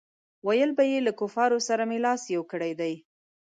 ویل به یې له کفارو سره مې لاس یو کړی دی.